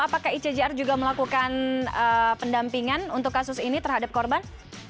apakah icjr juga melakukan pendampingan untuk kasus ini terhadap korban